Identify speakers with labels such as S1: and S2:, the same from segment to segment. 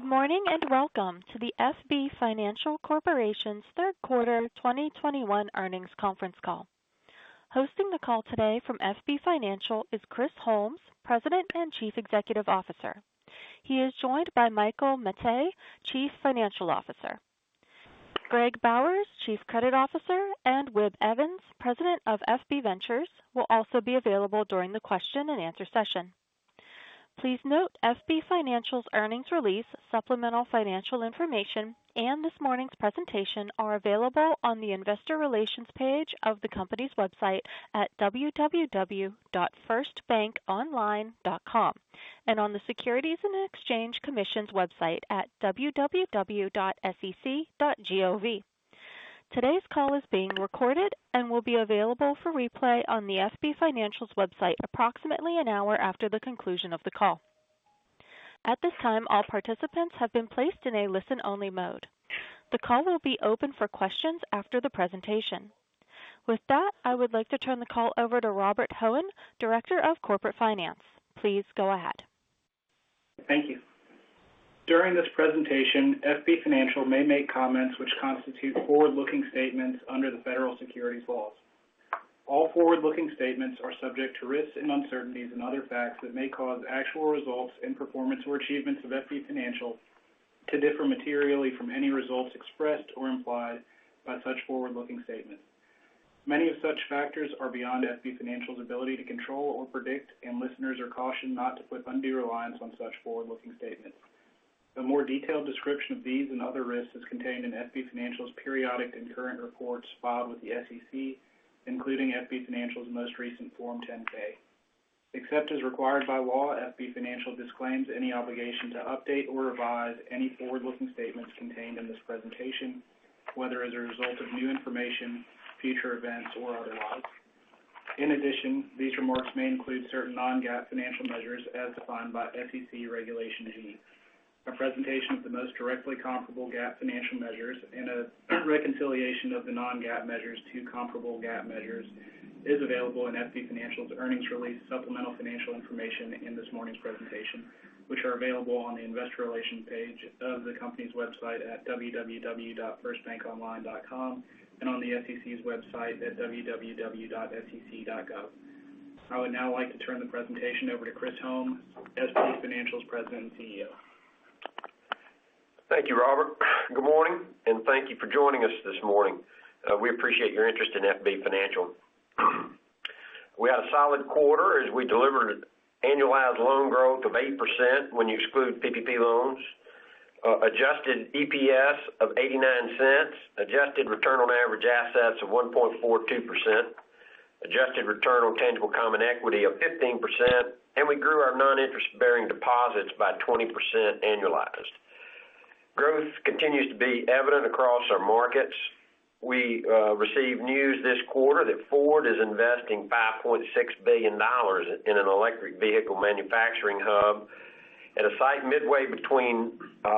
S1: Good morning, and welcome to the FB Financial Corporation's Third Quarter 2021 Earnings Conference Call. Hosting the call today from FB Financial is Chris Holmes, President and Chief Executive Officer. He is joined by Michael Mettee, Chief Financial Officer. Greg Bowers, Chief Credit Officer, and Wib Evans, President of FB Ventures, will also be available during the question and answer session. Please note FB Financial's earnings release, supplemental financial information, and this morning's presentation are available on the investor relations page of the company's website at www.firstbankonline.com, and on the Securities and Exchange Commission's website at www.sec.gov. Today's call is being recorded and will be available for replay on the FB Financial's website approximately an hour after the conclusion of the call. At this time, all participants have been placed in a listen-only mode. The call will be open for questions after the presentation. With that, I would like to turn the call over to Robert Hoehn, Director of Corporate Finance. Please go ahead.
S2: Thank you. During this presentation, FB Financial may make comments which constitute forward-looking statements under the federal securities laws. All forward-looking statements are subject to risks and uncertainties and other facts that may cause actual results in performance or achievements of FB Financial to differ materially from any results expressed or implied by such forward-looking statements. Many of such factors are beyond FB Financial's ability to control or predict, and listeners are cautioned not to put undue reliance on such forward-looking statements. A more detailed description of these and other risks is contained in FB Financial's periodic and current reports filed with the SEC, including FB Financial's most recent Form 10-K. Except as required by law, FB Financial disclaims any obligation to update or revise any forward-looking statements contained in this presentation, whether as a result of new information, future events, or otherwise. In addition, these remarks may include certain non-GAAP financial measures as defined by SEC Regulation G. A presentation of the most directly comparable GAAP financial measures and a reconciliation of the non-GAAP measures to comparable GAAP measures is available in FB Financial's earnings release supplemental financial information in this morning's presentation, which are available on the investor relations page of the company's website at www.firstbankonline.com, and on the SEC's website at www.sec.gov. I would now like to turn the presentation over to Chris Holmes, FB Financial's President and CEO.
S3: Thank you, Robert. Good morning, and thank you for joining us this morning. We appreciate your interest in FB Financial. We had a solid quarter as we delivered annualized loan growth of 8% when you exclude PPP loans, adjusted EPS of $0.89, adjusted return on average assets of 1.42%, adjusted return on tangible common equity of 15%, and we grew our non-interest-bearing deposits by 20% annualized. Growth continues to be evident across our markets. We received news this quarter that Ford is investing $5.6 billion in an electric vehicle manufacturing hub at a site midway between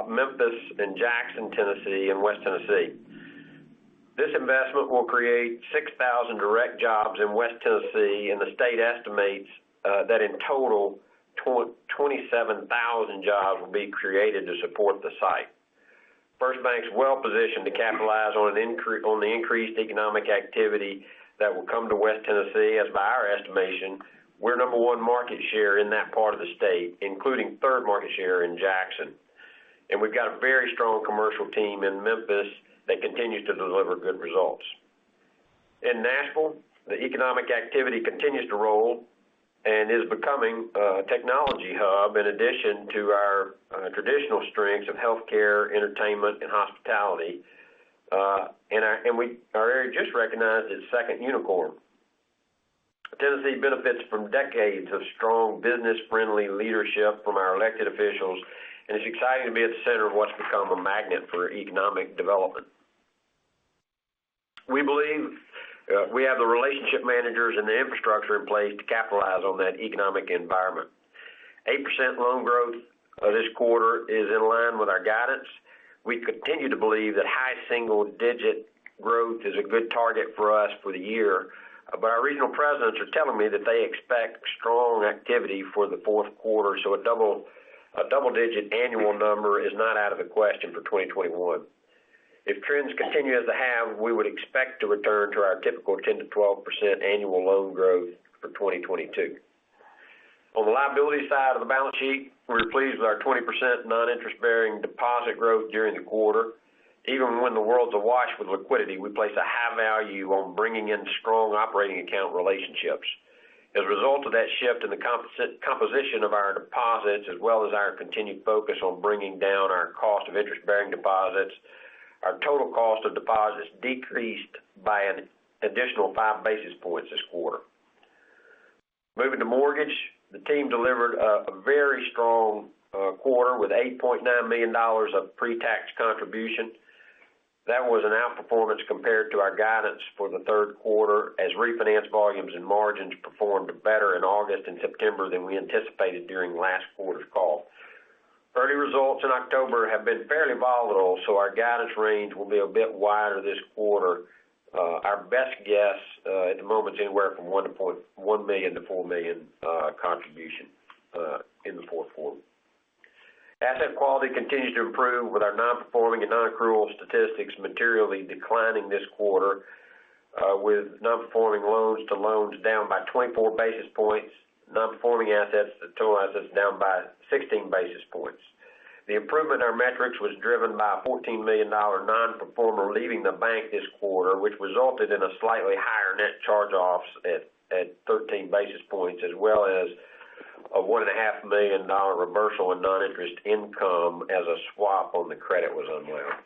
S3: Memphis and Jackson, Tennessee, in West Tennessee. This investment will create 6,000 direct jobs in West Tennessee, and the state estimates that in total, 27,000 jobs will be created to support the site. FirstBank is well-positioned to capitalize on the increased economic activity that will come to West Tennessee, as by our estimation, we're number one market share in that part of the state, including third market share in Jackson. We've got a very strong commercial team in Memphis that continues to deliver good results. In Nashville, the economic activity continues to roll and is becoming a technology hub in addition to our traditional strengths of healthcare, entertainment, and hospitality. Our area just recognized its second unicorn. Tennessee benefits from decades of strong business-friendly leadership from our elected officials, and it's exciting to be at the center of what's become a magnet for economic development. We believe we have the relationship managers and the infrastructure in place to capitalize on that economic environment. 8% loan growth this quarter is in line with our guidance. We continue to believe that high single-digit growth is a good target for us for the year. Our regional presidents are telling me that they expect strong activity for the fourth quarter, a double-digit annual number is not out of the question for 2021. If trends continue as they have, we would expect to return to our typical 10%-12% annual loan growth for 2022. On the liability side of the balance sheet, we're pleased with our 20% non-interest-bearing deposit growth during the quarter. Even when the world's awash with liquidity, we place a high value on bringing in strong operating account relationships. As a result of that shift in the composition of our deposits, as well as our continued focus on bringing down our cost of interest-bearing deposits, our total cost of deposits decreased by an additional 5 basis points this quarter. Moving to mortgage, the team delivered a very strong quarter with $8.9 million of pre-tax contribution. That was an outperformance compared to our guidance for the third quarter as refinance volumes and margins performed better in August and September than we anticipated during last quarter's call. Early results in October have been fairly volatile. Our guidance range will be a bit wider this quarter. Our best guess at the moment is anywhere from $1 million-$4 million contribution in the fourth quarter. Asset quality continues to improve with our non-performing and non-accrual statistics materially declining this quarter, with non-performing loans to loans down by 24 basis points, non-performing assets to total assets down by 16 basis points. The improvement in our metrics was driven by a $14 million non-performer leaving the bank this quarter, which resulted in a slightly higher net charge-offs at 13 basis points, as well as a $1.5 million reversal in non-interest income as a swap on the credit was unwound.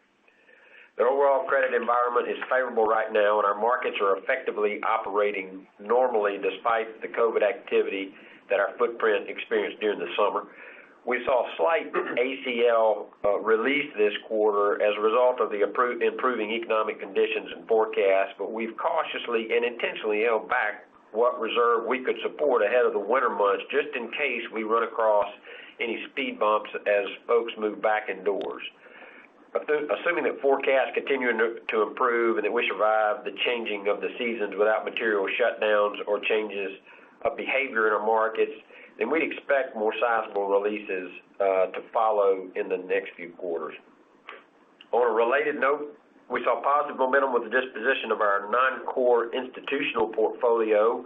S3: The overall credit environment is favorable right now, and our markets are effectively operating normally despite the COVID activity that our footprint experienced during the summer. We saw a slight ACL relief this quarter as a result of the improving economic conditions and forecasts, but we've cautiously and intentionally held back what reserve we could support ahead of the winter months, just in case we run across any speed bumps as folks move back indoors. Assuming that forecasts continue to improve and that we survive the changing of the seasons without material shutdowns or changes of behavior in our markets, then we'd expect more sizable releases to follow in the next few quarters. On a related note, we saw positive momentum with the disposition of our non-core institutional portfolio.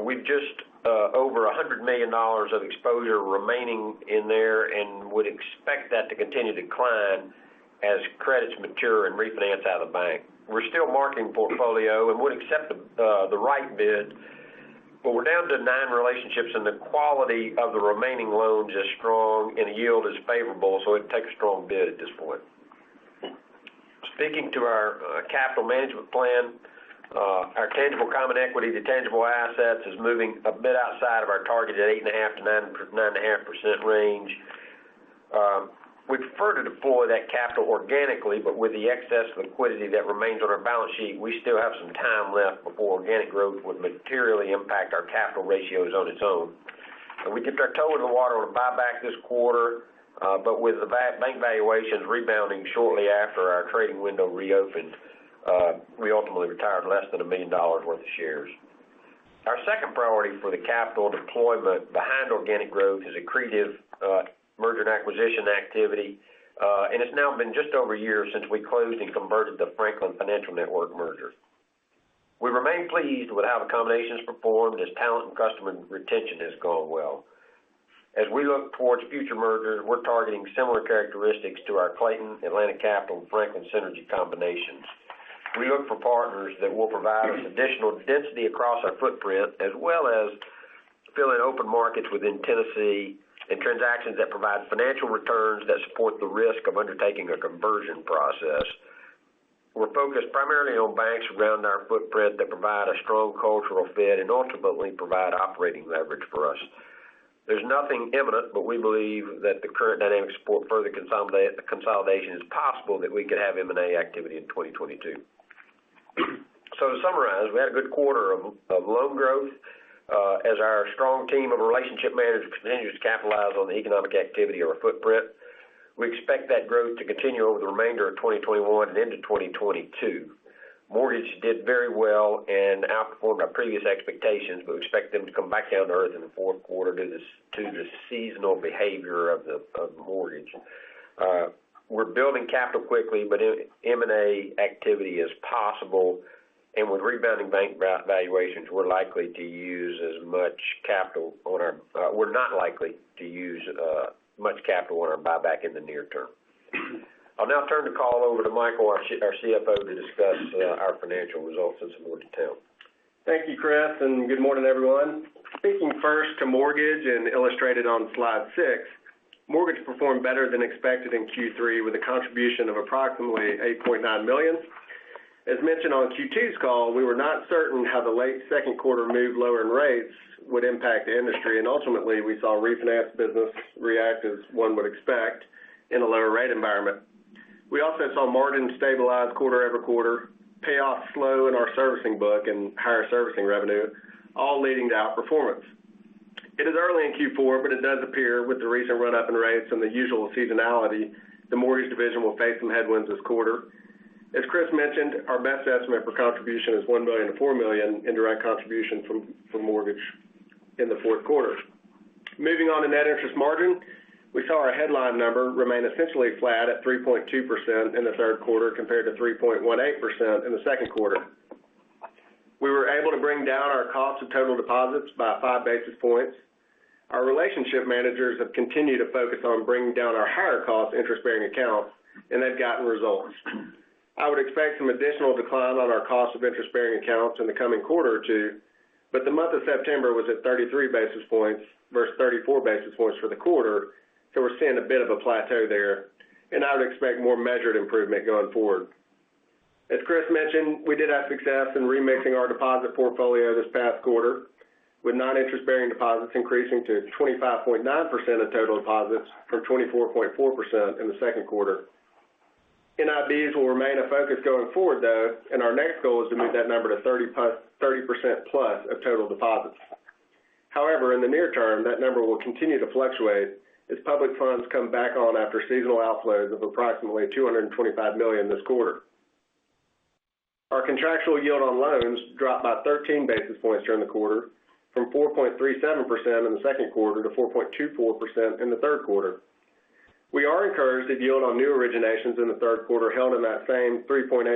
S3: We've just over $100 million of exposure remaining in there and would expect that to continue to decline as credits mature and refinance out of the bank. We're still marking portfolio and would accept the right bid, but we're down to nine relationships, and the quality of the remaining loans is strong, and the yield is favorable, so it'd take a strong bid at this point. Speaking to our capital management plan, our tangible common equity to tangible assets is moving a bit outside of our target at 8.5%-9.5% range. We'd prefer to deploy that capital organically, but with the excess liquidity that remains on our balance sheet, we still have some time left before organic growth would materially impact our capital ratios on its own. We dipped our toe in the water with buyback this quarter, but with the bank valuations rebounding shortly after our trading window reopened, we ultimately retired less than $1 million worth of shares. Our second priority for the capital deployment behind organic growth is accretive merger and acquisition activity, and it's now been just over a year since we closed and converted the Franklin Financial Network merger. We remain pleased with how the combination's performed as talent and customer retention has gone well. As we look towards future mergers, we're targeting similar characteristics to our Clayton, Atlantic Capital, Franklin Synergy combinations. We look for partners that will provide us additional density across our footprint, as well as fill in open markets within Tennessee and transactions that provide financial returns that support the risk of undertaking a conversion process. We're focused primarily on banks around our footprint that provide a strong cultural fit and ultimately provide operating leverage for us. There's nothing imminent, but we believe that the current dynamics support further consolidation is possible that we could have M&A activity in 2022. To summarize, we had a good quarter of loan growth as our strong team of relationship managers continues to capitalize on the economic activity of our footprint. We expect that growth to continue over the remainder of 2021 and into 2022. Mortgage did very well and outperformed our previous expectations. We expect them to come back down to earth in the fourth quarter due to the seasonal behavior of the mortgage. We're building capital quickly, but M&A activity is possible, and with rebounding bank valuations, we're not likely to use much capital on our buyback in the near term. I'll now turn the call over to Michael, our CFO, to discuss our financial results in some more detail.
S4: Thank you, Chris. Good morning, everyone. Speaking first to mortgage and illustrated on slide six, mortgage performed better than expected in Q3 with a contribution of approximately $8.9 million. As mentioned on Q2's call, we were not certain how the late second quarter move to lower in rates would impact the industry. Ultimately, we saw refinance business react as one would expect in a lower rate environment. We also saw margins stabilize quarter-over-quarter, payoffs slow in our servicing book, and higher servicing revenue, all leading to outperformance. It is early in Q4. It does appear with the recent run-up in rates and the usual seasonality, the mortgage division will face some headwinds this quarter. As Chris mentioned, our best estimate for contribution is $1 million-$4 million in direct contribution from mortgage in the fourth quarter. Moving on to net interest margin, we saw our headline number remain essentially flat at 3.2% in the third quarter compared to 3.18% in the second quarter. We were able to bring down our cost of total deposits by 5 basis points. Our relationship managers have continued to focus on bringing down our higher cost interest-bearing accounts, and they've gotten results. I would expect some additional decline on our cost of interest-bearing accounts in the coming quarter or two, but the month of September was at 33 basis points versus 34 basis points for the quarter, so we're seeing a bit of a plateau there, and I would expect more measured improvement going forward. As Chris mentioned, we did have success in remixing our deposit portfolio this past quarter, with non-interest-bearing deposits increasing to 25.9% of total deposits from 24.4% in the second quarter. NIBs will remain a focus going forward, though, and our next goal is to move that number to 30% plus of total deposits. However, in the near term, that number will continue to fluctuate as public funds come back on after seasonal outflows of approximately $225 million this quarter. Our contractual yield on loans dropped by 13 basis points during the quarter, from 4.37% in the second quarter to 4.24% in the third quarter. We are encouraged that yield on new originations in the third quarter held in that same 3.8%-3.9%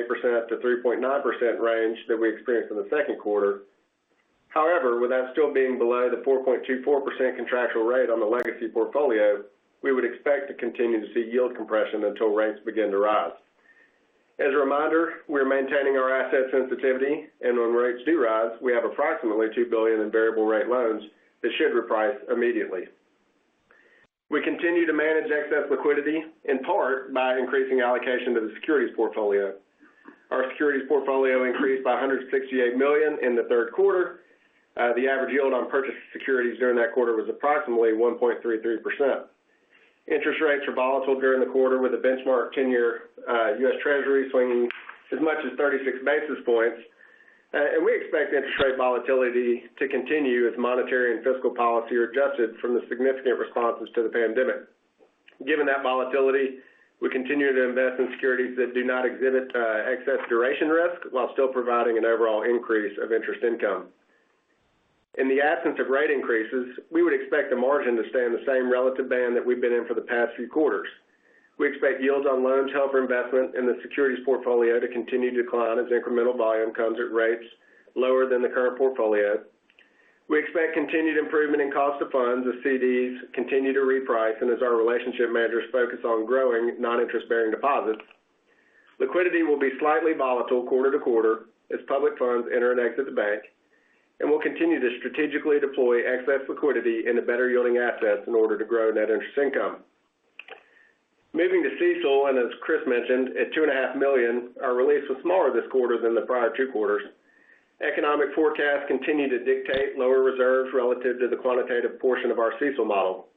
S4: range that we experienced in the second quarter. However, with that still being below the 4.24% contractual rate on the legacy portfolio, we would expect to continue to see yield compression until rates begin to rise. As a reminder, we're maintaining our asset sensitivity, and when rates do rise, we have approximately $2 billion in variable rate loans that should reprice immediately. We continue to manage excess liquidity, in part by increasing allocation to the securities portfolio. Our securities portfolio increased by $168 million in the third quarter. The average yield on purchased securities during that quarter was approximately 1.33%. Interest rates were volatile during the quarter, with the benchmark 10-year U.S. Treasury swinging as much as 36 basis points. We expect interest rate volatility to continue as monetary and fiscal policy are adjusted from the significant responses to the pandemic. Given that volatility, we continue to invest in securities that do not exhibit excess duration risk while still providing an overall increase of interest income. In the absence of rate increases, we would expect the margin to stay in the same relative band that we've been in for the past few quarters. We expect yields on loans held for investment in the securities portfolio to continue to decline as incremental volume comes at rates lower than the current portfolio. We expect continued improvement in cost of funds as CDs continue to reprice and as our relationship managers focus on growing non-interest-bearing deposits. Liquidity will be slightly volatile quarter to quarter as public funds enter and exit the bank, and we'll continue to strategically deploy excess liquidity into better yielding assets in order to grow net interest income. Moving to CECL, as Chris mentioned, at $2.5 million, our release was smaller this quarter than the prior two quarters. Economic forecasts continue to dictate lower reserves relative to the quantitative portion of our CECL model.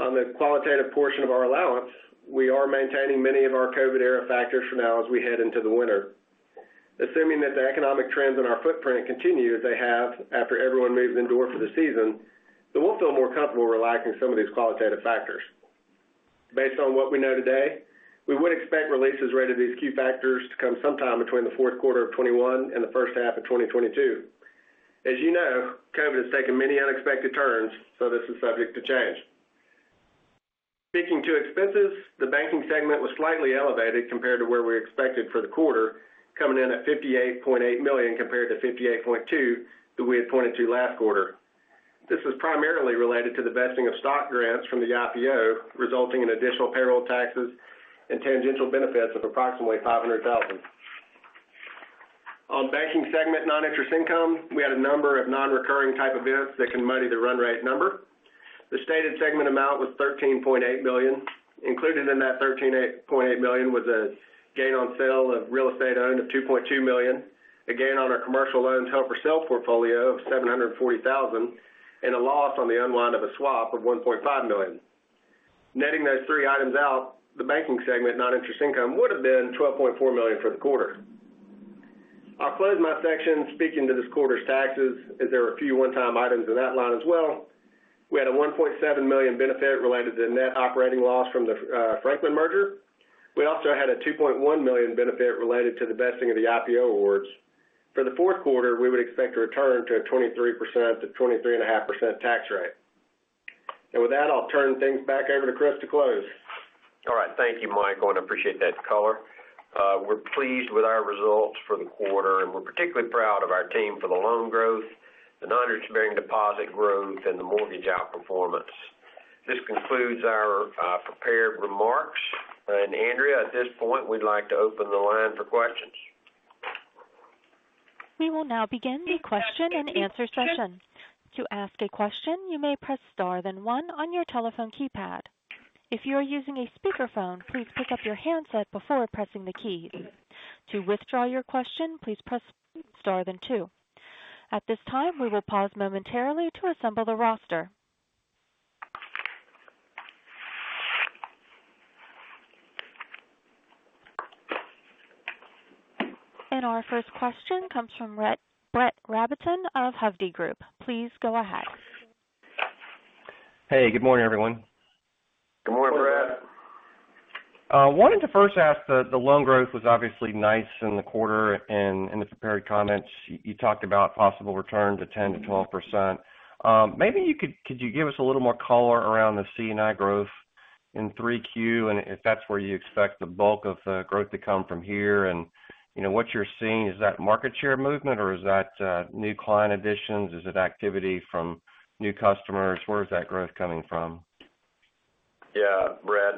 S4: On the qualitative portion of our allowance, we are maintaining many of our COVID era factors for now as we head into the winter. Assuming that the economic trends in our footprint continue as they have after everyone moves indoors for the season, we'll feel more comfortable relaxing some of these qualitative factors. Based on what we know today, we would expect releases related to these key factors to come sometime between the fourth quarter of 2021 and the first half of 2022. As you know, COVID has taken many unexpected turns, this is subject to change. Speaking to expenses, the banking segment was slightly elevated compared to where we expected for the quarter, coming in at $58.8 million compared to $58.2 million, that we had pointed to last quarter. This was primarily related to the vesting of stock grants from the IPO, resulting in additional payroll taxes and tangential benefits of approximately $500,000. On banking segment non-interest income, we had a number of non-recurring type events that can muddy the run rate number. The stated segment amount was $13.8 million. Included in that $13.8 million was a gain on sale of real estate owned of $2.2 million, a gain on our commercial loans held for sale portfolio of $740,000, and a loss on the unwind of a swap of $1.5 million. Netting those three items out, the banking segment non-interest income would have been $12.4 million for the quarter. I'll close my section speaking to this quarter's taxes, as there were a few one-time items in that line as well. We had a $1.7 million benefit related to the net operating loss from the Franklin merger. We also had a $2.1 million benefit related to the vesting of the IPO awards. For the fourth quarter, we would expect to return to a 23%-23.5% tax rate. With that, I'll turn things back over to Chris to close.
S3: All right. Thank you, Michael. I appreciate that color. We're pleased with our results for the quarter. We're particularly proud of our team for the loan growth, the non-interest-bearing deposit growth, and the mortgage outperformance. This concludes our prepared remarks. Andrea, at this point, we'd like to open the line for questions.
S1: We will now begin the question and answer session. To ask a question, you may press star, then one on your telephone keypad. If you are using a speakerphone, please pick up your handset before pressing the key. To withdraw your question, please press star, then two. At this time, we will pause momentarily to assemble the roster. Our first question comes from Brett Rabatin of Hovde Group. Please go ahead.
S5: Hey, good morning, everyone.
S3: Good morning, Brett.
S5: Wanted to first ask, the loan growth was obviously nice in the quarter, and in the prepared comments, you talked about possible return to 10%-12%. Maybe could you give us a little more color around the C&I growth in 3Q, and if that's where you expect the bulk of the growth to come from here, and what you're seeing. Is that market share movement, or is that new client additions? Is it activity from new customers? Where is that growth coming from?
S3: Yeah, Brett.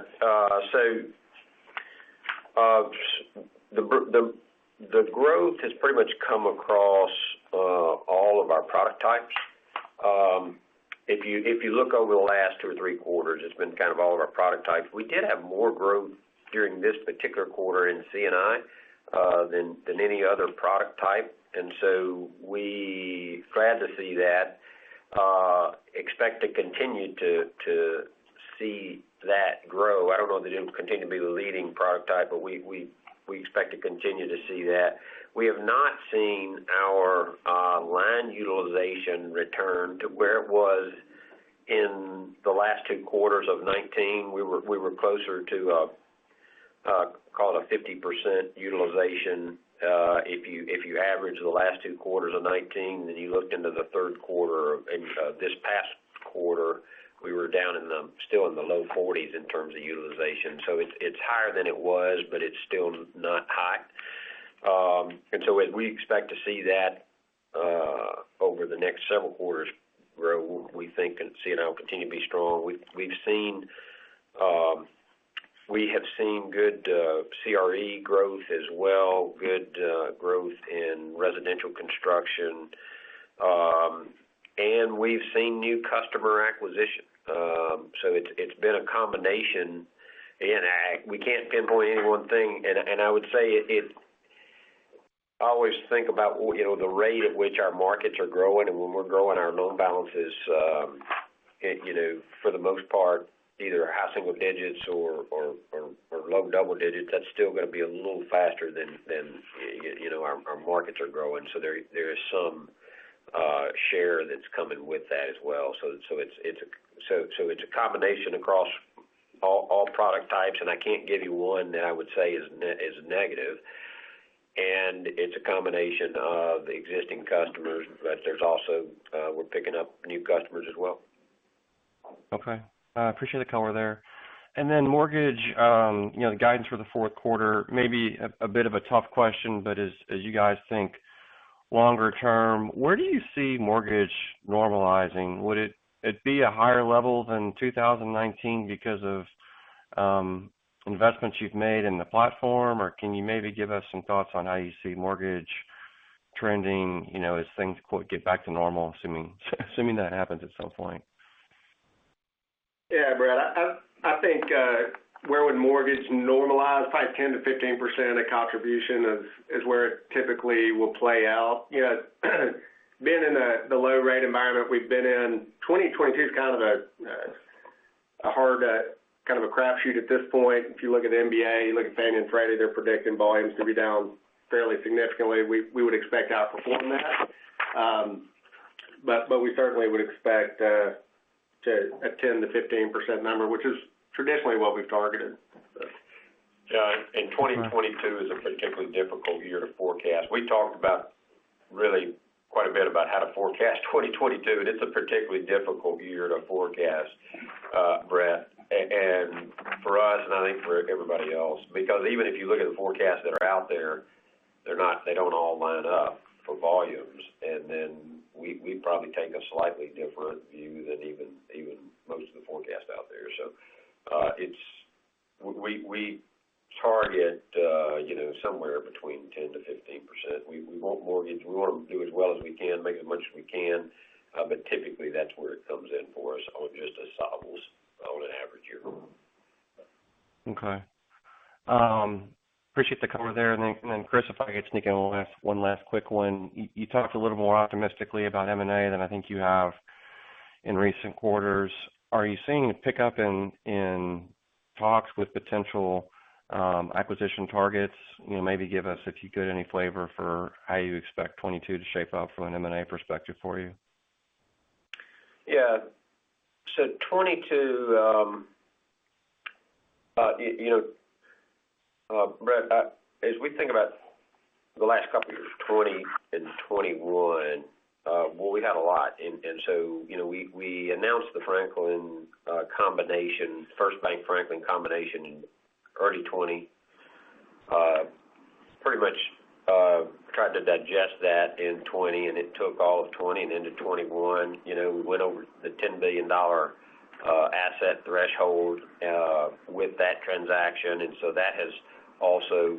S3: The growth has pretty much come across all of our product types. If you look over the last two or three quarters, it's been kind of all of our product types. We did have more growth during this particular quarter in C&I than any other product type. We're glad to see that. Expect to continue to see that grow. I don't know that it'll continue to be the leading product type, but we expect to continue to see that. We have not seen our line utilization return to where it was in the last two quarters of 2019. We were closer to call it a 50% utilization. If you average the last two quarters of 2019, then you looked into the third quarter, this past quarter, we were down still in the low 40s in terms of utilization. It's higher than it was, but it's still not high. We expect to see that over the next several quarters grow, we think, and see it now continue to be strong. We have seen good CRE growth as well, good growth in residential construction. We've seen new customer acquisition. It's been a combination, and we can't pinpoint any one thing. I would say, I always think about the rate at which our markets are growing, and when we're growing our loan balances, for the most part, either high single digits or low double digits, that's still going to be a little faster than our markets are growing. There is some share that's coming with that as well. It's a combination across all product types, and I can't give you one that I would say is negative. It's a combination of the existing customers, but there's also we're picking up new customers as well.
S5: Okay. I appreciate the color there. Then mortgage, the guidance for the fourth quarter, maybe a bit of a tough question, but as you guys think longer term, where do you see mortgage normalizing? Would it be a higher level than 2019 because of investments you've made in the platform? Or can you maybe give us some thoughts on how you see mortgage trending as things, quote, get back to normal, assuming that happens at some point?
S4: Yeah, Brett, I think where would mortgage normalize, probably 10%-15% of contribution is where it typically will play out. Being in the low rate environment we've been in, 2022 is kind of a hard crapshoot at this point. If you look at the MBA, you look at Fannie and Freddie, they're predicting volumes to be down fairly significantly. We would expect to outperform that. We certainly would expect a 10%-15% number, which is traditionally what we've targeted.
S3: 2022 is a particularly difficult year to forecast. We talked about really quite a bit about how to forecast 2022, and it's a particularly difficult year to forecast, Brett, and for us, and I think for everybody else. Even if you look at the forecasts that are out there, they don't all line up for volumes. We probably take a slightly different view than even most of the forecasts out there. We target somewhere between 10%-15%. We want to do as well as we can, make as much as we can. Typically, that's where it comes in for us on just a cycles on an average year.
S5: Okay. Appreciate the color there. Chris, if I could sneak in one last quick one. You talked a little more optimistically about M&A than I think you have in recent quarters. Are you seeing a pickup in talks with potential acquisition targets? Maybe give us, if you could, any flavor for how you expect 2022 to shape up from an M&A perspective for you.
S3: Yeah. 2022, Brett, as we think about the last couple years, 2020 and 2021, well, we had a lot. We announced the Franklin combination, FirstBank Franklin combination in early 2020. Pretty much tried to digest that in 2020, it took all of 2020 and into 2021. We went over the $10 billion asset threshold with that transaction. That has also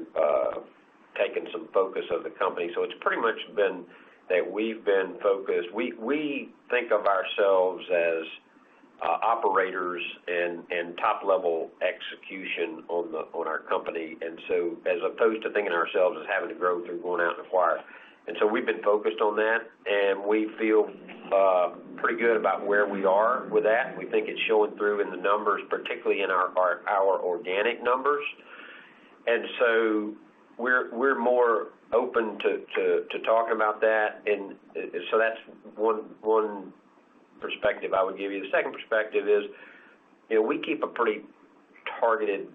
S3: taken some focus of the company. It's pretty much been that we've been focused, we think of ourselves as operators and top-level execution on our company. As opposed to thinking of ourselves as having to grow through going out and acquire. We've been focused on that, we feel pretty good about where we are with that. We think it's showing through in the numbers, particularly in our organic numbers. We're more open to talk about that. That's one perspective I would give you. The second perspective is we keep a targeted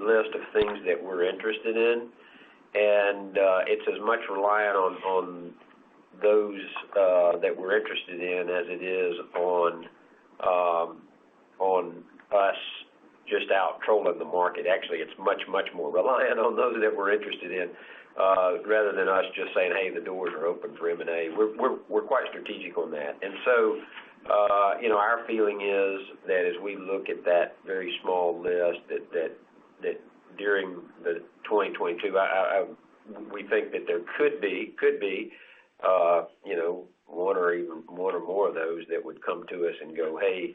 S3: list of things that we're interested in, and it's as much reliant on those that we're interested in as it is on us just out trolling the market. Actually, it's much, much more reliant on those that we're interested in rather than us just saying, hey, the doors are open for M&A. We're quite strategic on that. Our feeling is that as we look at that very small list, that during the 2022, we think that there could be one or more of those that would come to us and go, hey,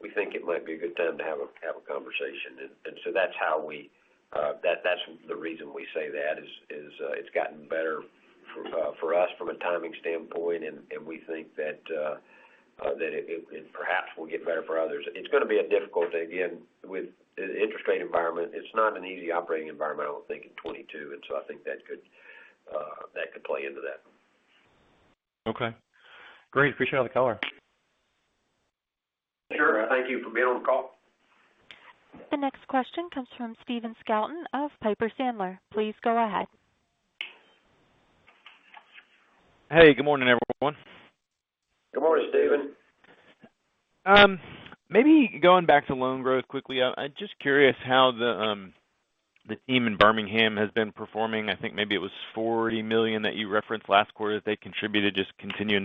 S3: we think it might be a good time to have a conversation. That's the reason we say that is it's gotten better for us from a timing standpoint, and we think that it perhaps will get better for others. It's going to be a difficult, again, with the interest rate environment. It's not an easy operating environment, I would think, in 2022, and so I think that could play into that.
S5: Okay. Great. Appreciate all the color.
S3: Sure. Thank you for being on the call.
S1: The next question comes from Stephen Scouten of Piper Sandler. Please go ahead.
S6: Hey, good morning, everyone.
S3: Good morning, Stephen.
S6: Maybe going back to loan growth quickly, I'm just curious how the team in Birmingham has been performing. I think maybe it was $40 million that you referenced last quarter that they contributed, just continuing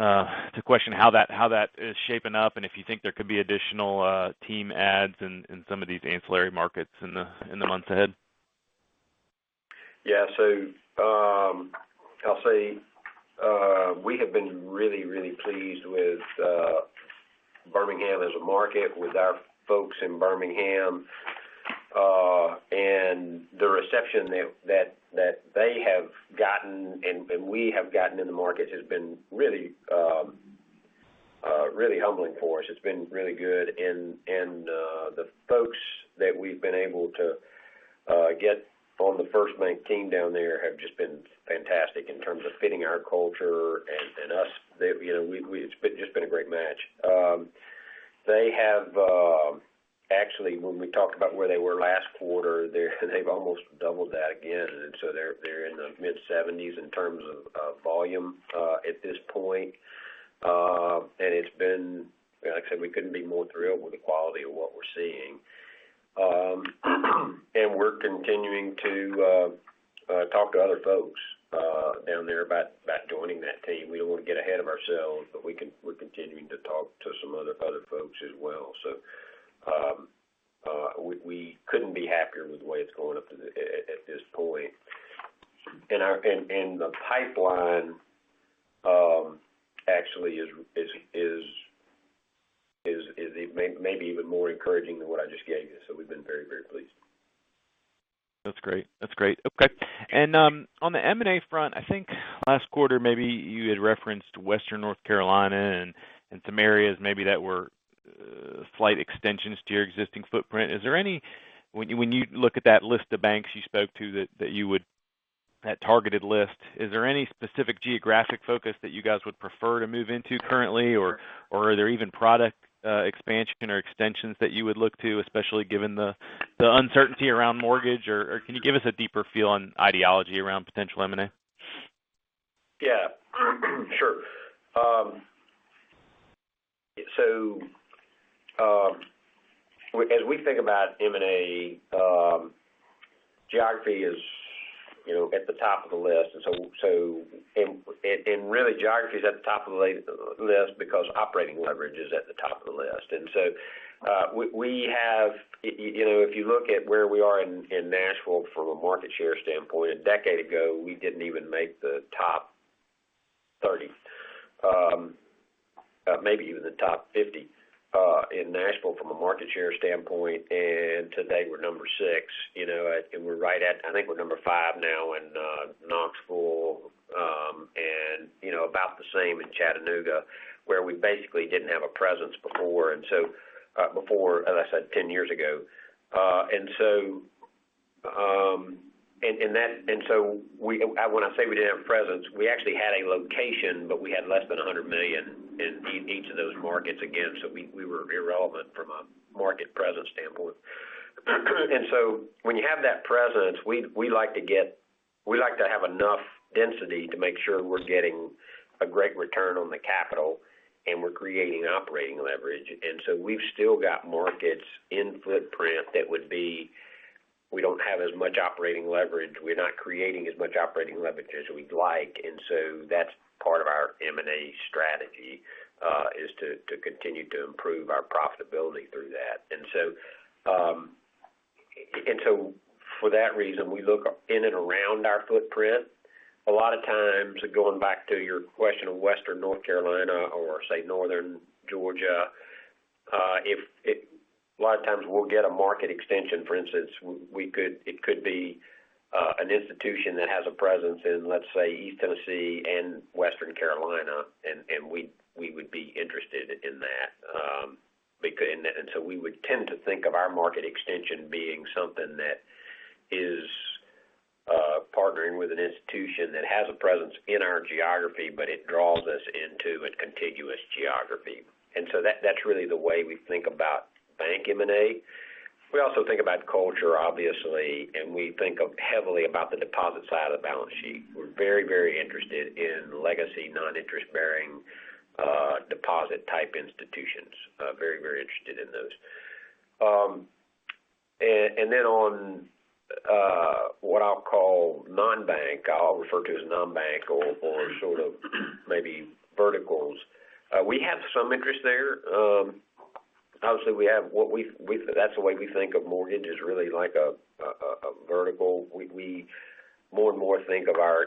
S6: to question how that is shaping up and if you think there could be additional team adds in some of these ancillary markets in the months ahead.
S3: Yeah. I'll say we have been really, really pleased with Birmingham as a market, with our folks in Birmingham. The reception that they have gotten and we have gotten in the market has been really humbling for us. It's been really good. The folks that we've been able to get on the FirstBank team down there have just been fantastic in terms of fitting our culture and us. It's just been a great match. Actually, when we talk about where they were last quarter, they've almost doubled that again, and so they're in the mid-70s in terms of volume at this point. Like I said, we couldn't be more thrilled with the quality of what we're seeing. We're continuing to talk to other folks down there about joining that team. We don't want to get ahead of ourselves, but we're continuing to talk to some other folks as well. We couldn't be happier with the way it's going up to this point. The pipeline actually is maybe even more encouraging than what I just gave you. We've been very pleased.
S6: That's great. Okay. On the M&A front, I think last quarter, maybe you had referenced Western North Carolina and some areas maybe that were slight extensions to your existing footprint. When you look at that list of banks you spoke to, that targeted list, is there any specific geographic focus that you guys would prefer to move into currently? Are there even product expansion or extensions that you would look to, especially given the uncertainty around mortgage? Can you give us a deeper feel on ideology around potential M&A?
S3: Yeah, sure. As we think about M&A, geography is at the top of the list. Really, geography is at the top of the list because operating leverage is at the top of the list. If you look at where we are in Nashville from a market share standpoint, a decade ago, we didn't even make the top 30, maybe even the top 50, in Nashville from a market share standpoint. Today we're number six. I think we're number five now in Knoxville, and about the same in Chattanooga, where we basically didn't have a presence before, as I said, 10 years ago. When I say we didn't have a presence, we actually had a location, but we had less than $100 million in each of those markets, again, so we were irrelevant from a market presence standpoint. When you have that presence, we like to have enough density to make sure we're getting a great return on the capital and we're creating operating leverage. We've still got markets in footprint that we don't have as much operating leverage. We're not creating as much operating leverage as we'd like. That's part of our M&A strategy, is to continue to improve our profitability through that. For that reason, we look in and around our footprint. A lot of times, going back to your question of Western North Carolina or say, Northern Georgia, a lot of times we'll get a market extension. For instance, it could be an institution that has a presence in, let's say, East Tennessee and Western Carolina, and we would be interested in that. We would tend to think of our market extension being something that is partnering with an institution that has a presence in our geography, but it draws us into a contiguous geography. That's really the way we think about bank M&A. We also think about culture, obviously, and we think heavily about the deposit side of the balance sheet. We're very interested in legacy non-interest bearing deposit type institutions. Very interested in those. On what I'll call non-bank, I'll refer to as non-bank or sort of maybe verticals. We have some interest there. Obviously, that's the way we think of mortgage, is really like a vertical. We more and more think of our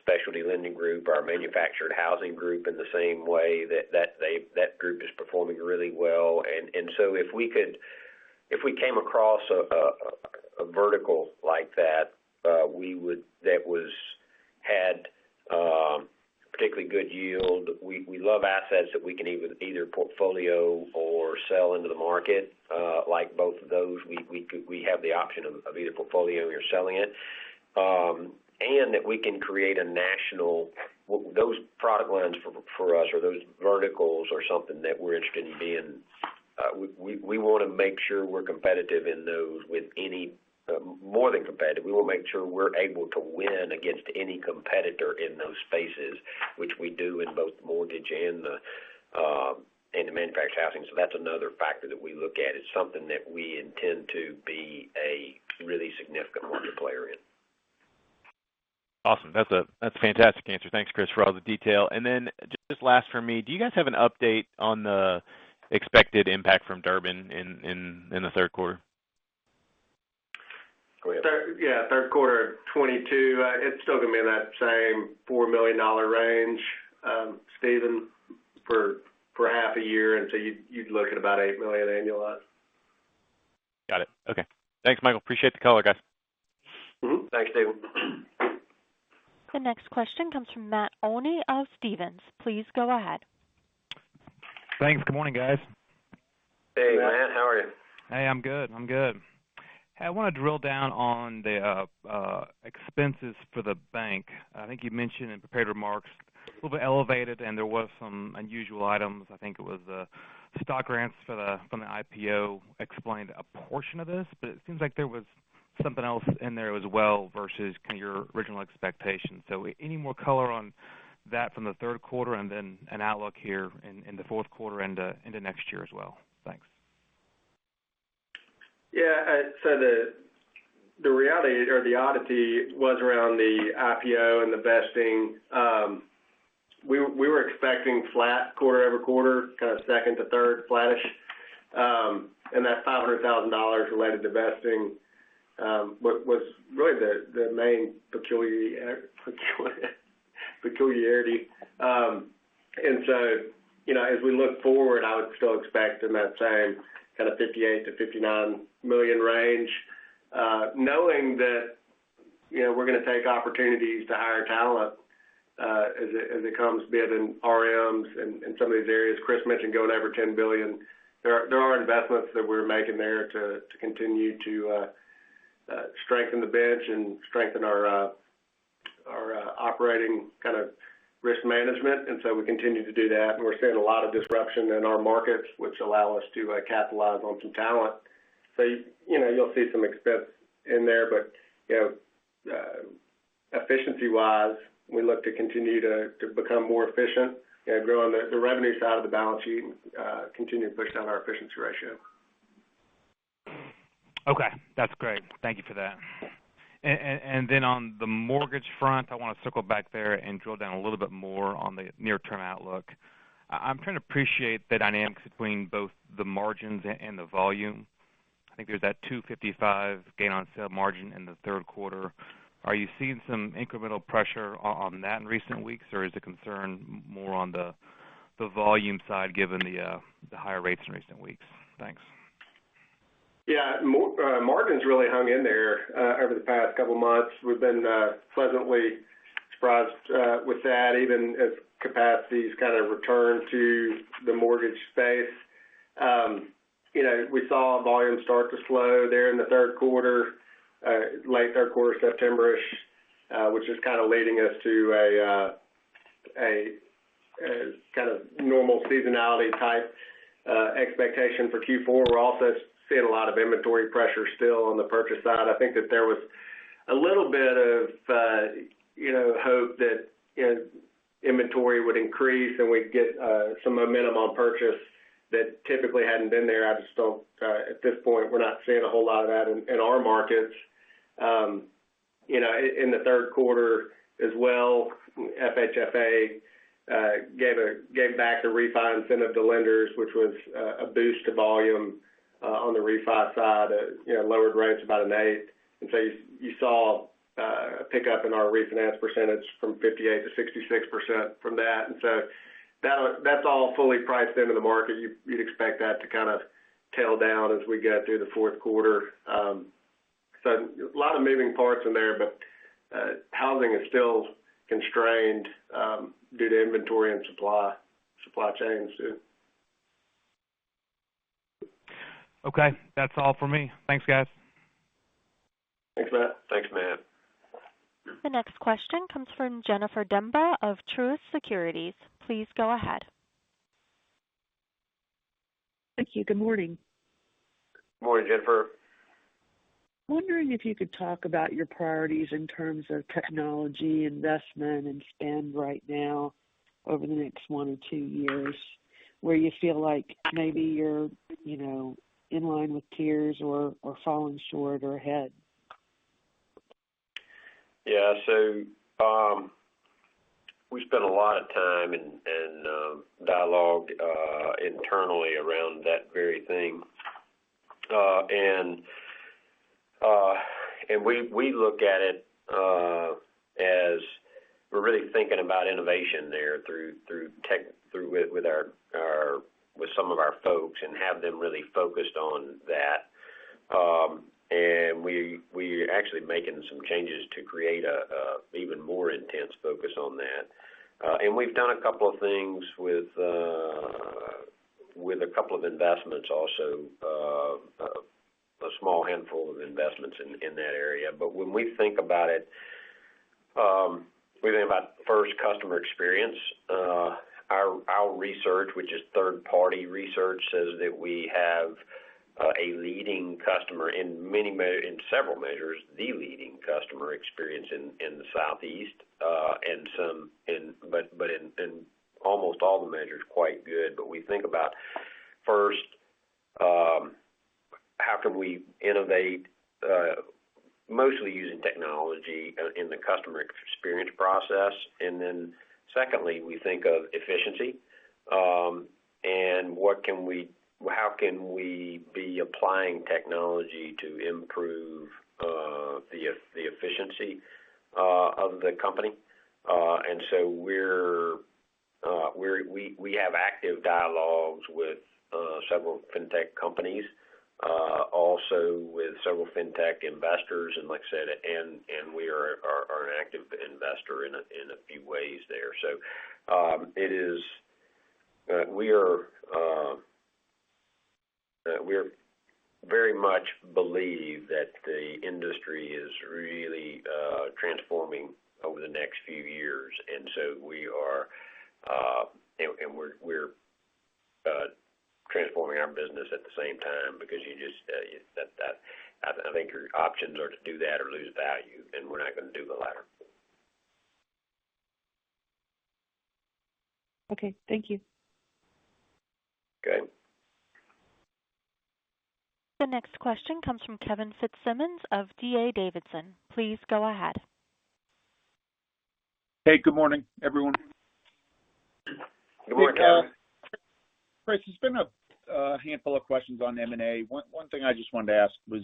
S3: specialty lending group, our manufactured housing group in the same way that group is performing really well. If we came across a vertical like that had particularly good yield, we love assets that we can either portfolio or sell into the market. Like both of those, we have the option of either portfolio or selling it. That we can create those product lines for us or those verticals are something that we're interested in being. We want to make sure we're competitive in those more than competitive. We want to make sure we're able to win against any competitor in those spaces, which we do in both mortgage and the manufactured housing. That's another factor that we look at. It's something that we intend to be a really significant market player in.
S6: Awesome. That's a fantastic answer. Thanks, Chris, for all the detail. Just last from me, do you guys have an update on the expected impact from Durbin in the third quarter?
S4: Yeah. Third quarter 2022, it's still going to be in that same $4 million range, Stephen, for half a year until you'd look at about $8 million annualized.
S6: Got it. Okay. Thanks, Michael. Appreciate the color, guys.
S4: Mm-hmm. Thanks, Stephen.
S1: The next question comes from Matt Olney of Stephens. Please go ahead.
S7: Thanks. Good morning, guys.
S3: Hey, Matt. How are you?
S7: Hey, I'm good. I want to drill down on the expenses for the bank. I think you mentioned in prepared remarks, a little bit elevated and there was some unusual items. I think it was the stock grants from the IPO explained a portion of this, but it seems like there was something else in there as well versus your original expectations. Any more color on that from the third quarter and then an outlook here in the fourth quarter into next year as well? Thanks.
S4: Yeah. The reality or the oddity was around the IPO and the vesting. We were expecting flat quarter over quarter, kind of second to third flattish. That $500,000 related to vesting was really the main peculiarity. As we look forward, I would still expect in that same kind of $58 million-$59 million range, knowing that we're going to take opportunities to hire talent as it comes be it in RMs and some of these areas. Chris mentioned going over $10 billion. There are investments that we're making there to continue to strengthen the bench and strengthen our operating kind of risk management. We continue to do that. We're seeing a lot of disruption in our markets, which allow us to capitalize on some talent. You'll see some expense in there. Efficiency-wise, we look to continue to become more efficient, grow on the revenue side of the balance sheet, and continue to push down our efficiency ratio.
S7: Okay. That's great. Thank you for that. Then on the mortgage front, I want to circle back there and drill down a little more on the near-term outlook. I'm trying to appreciate the dynamics between both the margins and the volume. I think there's that 255 gain on sale margin in the Q3. Are you seeing some incremental pressure on that in recent weeks? Or is the concern more on the volume side given the higher rates in recent weeks? Thanks.
S4: Yeah. Margin's really hung in there over the past couple of months. We've been pleasantly surprised with that, even as capacities kind of return to the mortgage space. We saw volume start to slow there in the third quarter, late third quarter, September-ish, which is kind of leading us to a kind of normal seasonality type expectation for Q4. We're also seeing a lot of inventory pressure still on the purchase side. I think that there was a little bit of hope that inventory would increase, and we'd get some momentum on purchase that typically hadn't been there. I just don't. At this point, we're not seeing a whole lot of that in our markets. In the third quarter as well, FHFA gave back a refi incentive to lenders, which was a boost to volume on the refi side, lowered rates about an eighth. You saw a pickup in our refinance percentage from 58%-66% from that. That's all fully priced into the market. You'd expect that to kind of tail down as we get through the fourth quarter. A lot of moving parts in there, but housing is still constrained due to inventory and supply chains too.
S7: Okay. That's all for me. Thanks, guys.
S3: Thanks, Matt.
S4: Thanks, Matt.
S1: The next question comes from Jennifer Demba of Truist Securities. Please go ahead.
S8: Thank you. Good morning.
S3: Morning, Jennifer.
S8: Wondering if you could talk about your priorities in terms of technology investment and spend right now over the next one or two years, where you feel like maybe you're in line with peers or falling short or ahead?
S3: We spent a lot of time and dialogued internally around that very thing. We look at it as we're really thinking about innovation there with some of our folks and have them really focused on that. We're actually making some changes to create an even more intense focus on that. We've done a couple of things with a couple of investments also, a small handful of investments in that area. When we think about it, we think about first, customer experience. Our research, which is third-party research, says that we have a leading customer in several measures, the leading customer experience in the Southeast, but in almost all the measures, quite good. We think about first, how can we innovate, mostly using technology in the customer experience process. Secondly, we think of efficiency, and how can we be applying technology to improve the efficiency of the company. We have active dialogues with several fintech companies, also with several fintech investors, and like I said, and we are an active investor in a few ways there. We very much believe that the industry is really transforming over the next few years. And so, we're transforming our business at the same time because I think your options are to do that or lose value, and we're not going to do the latter.
S8: Okay. Thank you.
S3: Okay.
S1: The next question comes from Kevin Fitzsimmons of D.A. Davidson. Please go ahead.
S9: Hey, good morning, everyone.
S3: Good morning, Kevin.
S9: Chris, there's been a handful of questions on M&A. One thing I just wanted to ask was,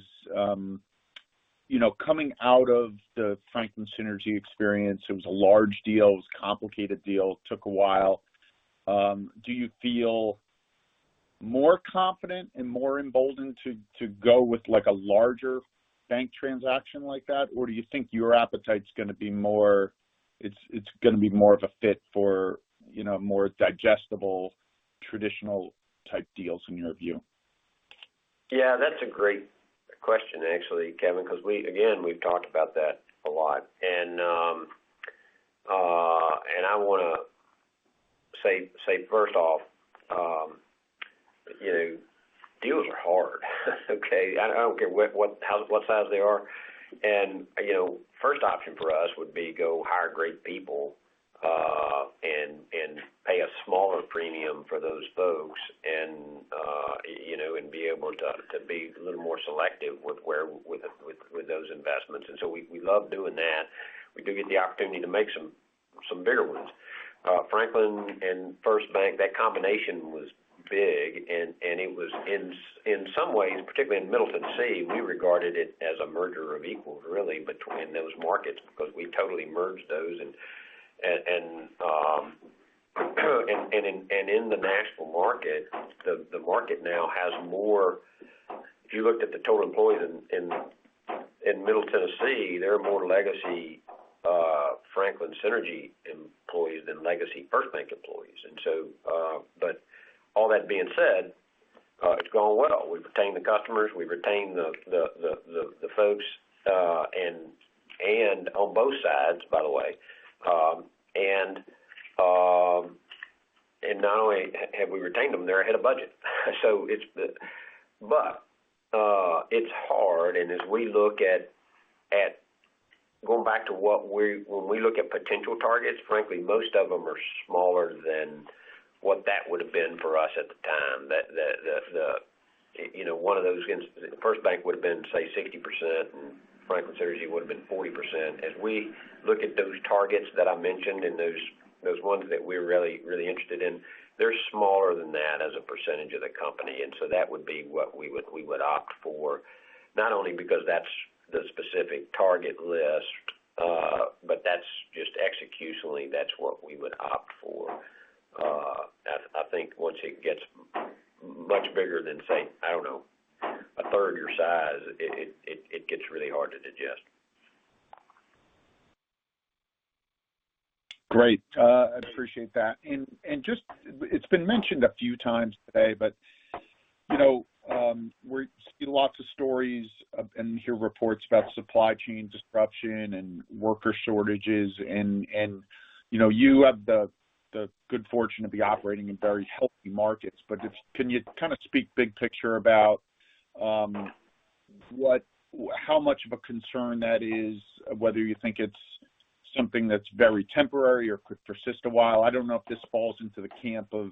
S9: coming out of the Franklin Synergy experience, it was a large deal. It was a complicated deal. It took a while. Do you feel more confident and more emboldened to go with a larger bank transaction like that? Or do you think your appetite's going to be more of a fit for more digestible, traditional type deals in your view?
S3: Yeah, that's a great question, actually, Kevin, because again, we've talked about that a lot. I want to say first off, deals are hard. Okay. I don't care what size they are. First option for us would be go hire great people and pay a smaller premium for those folks and be able to be a little more selective with those investments. We love doing that. We do get the opportunity to make some bigger ones. Franklin and FirstBank, that combination was big, and it was in some ways, particularly in Middle Tennessee, we regarded it as a merger of equals, really, between those markets because we totally merged those. In the Nashville market, If you looked at the total employees in Middle Tennessee, there are more legacy Franklin Synergy employees than legacy FirstBank employees. All that being said, it's gone well. We've retained the customers. We've retained the folks, and on both sides, by the way. Not only have we retained them, they're ahead of budget. It's hard, and as we look at going back to when we look at potential targets, frankly, most of them are smaller than what that would've been for us at the time. FirstBank would've been, say, 60%, and Franklin Synergy would've been 40%. As we look at those targets that I mentioned and those ones that we're really interested in, they're smaller than that as a percentage of the company. That would be what we would opt for, not only because that's the specific target list, but that's just executionally, that's what we would opt for. I think once it gets much bigger than, say, I don't know, a third of your size, it gets really hard to digest.
S9: Great. I appreciate that. It's been mentioned a few times today, but we see lots of stories and hear reports about supply chain disruption and worker shortages, and you have the good fortune to be operating in very healthy markets. Can you kind of speak big picture about how much of a concern that is, whether you think it's something that's very temporary or could persist a while? I don't know if this falls into the camp of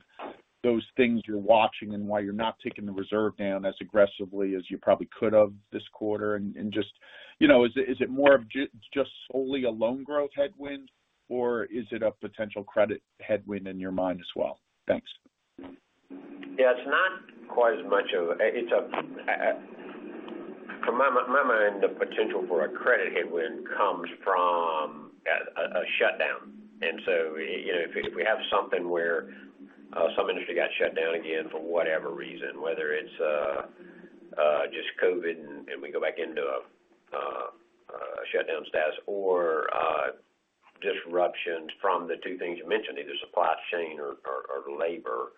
S9: those things you're watching and why you're not taking the reserve down as aggressively as you probably could have this quarter. Just, is it more of just solely a loan growth headwind, or is it a potential credit headwind in your mind as well? Thanks.
S3: Yeah, in my mind, the potential for a credit headwind comes from a shutdown. If we have something where some industry got shut down again for whatever reason, whether it's just COVID, and we go back into a shutdown status or disruptions from the two things you mentioned, either supply chain or labor,